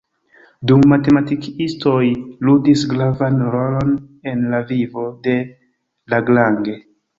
Du matematikistoj ludis gravan rolon en la vivo de Lagrange.